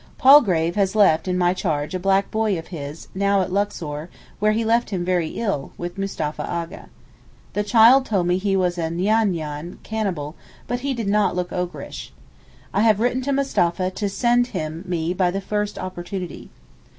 Palgrave has left in my charge a little black boy of his, now at Luxor, where he left him very ill, with Mustapha A'gha. The child told me he was a nyan nyan (cannibal), but he did not look ogreish. I have written to Mustapha to send him me by the first opportunity.